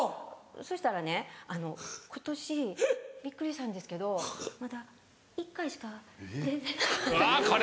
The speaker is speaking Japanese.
そしたらね今年びっくりしたんですけどまだ１回しか出てなかった。